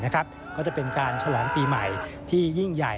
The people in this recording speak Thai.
ก็จะเป็นการฉลองปีใหม่ที่ยิ่งใหญ่